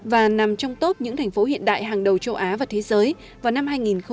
và nằm trong top những thành phố hiện đại hàng đầu châu á và thế giới vào năm hai nghìn ba mươi